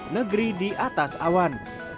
negeri di atas awan